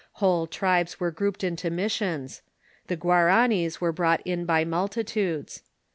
Whole tribes were grouped into missions. The Guaranis were brought in by multitudes.